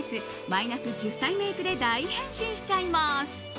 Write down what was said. マイナス１０歳メイクで大変身しちゃいます。